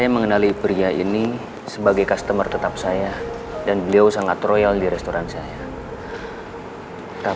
mungkin bapak ingat dengan laki laki yang ada di foto itu